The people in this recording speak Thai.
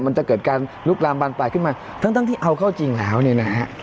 มันจะเกิดการลุกลามบานปลายขึ้นมาทั้งทั้งที่เอาเข้าจริงแล้วเนี่ยนะฮะ